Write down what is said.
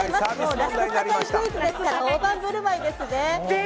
ラストサカイクイズですから大盤振る舞いですね。